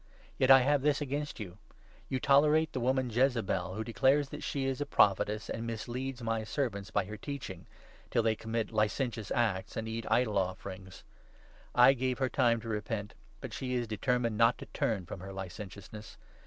Yet 20 I have this against you — You tolerate the woman Jezebel, who declares that she is a Prophetess, and misleads my servants by her teaching, till they commit licentious acts and eat idol offerings. I gave her time to repent, but she is 21 determined not to turn from her licentiousness.